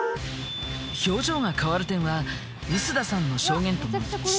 表情が変わる点は臼田さんの証言とも一致する。